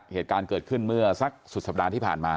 เหตุการณ์เกิดขึ้นเมื่อสักสุดสัปดาห์ที่ผ่านมา